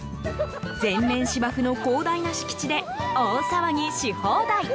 全面芝生の広大な敷地で大騒ぎし放題。